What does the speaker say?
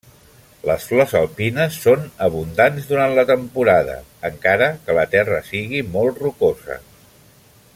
Les flors alpines són abundants durant la temporada, encara que la terra sigui molt rocosa.